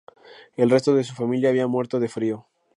El resto de su familia había muerto de frío.